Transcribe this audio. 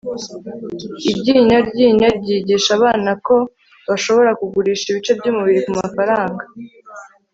iryinyo ryinyo ryigisha abana ko bashobora kugurisha ibice byumubiri kumafaranga